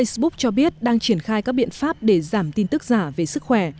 facebook cho biết đang triển khai các biện pháp để giảm tin tức giả về sức khỏe